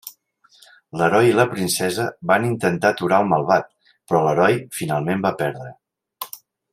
L'Heroi i la Princesa van intentar aturar el malvat, però l'Heroi finalment va perdre.